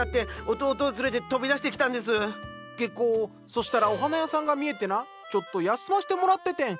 そしたらお花屋さんが見えてなちょっと休ませてもらっててん。